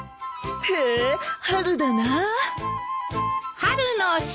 へえ春だなあ。